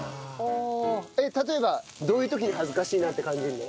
例えばどういう時に恥ずかしいなって感じるの？